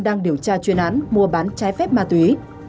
đang điều tra chuyên án mua bán trái phép ma túy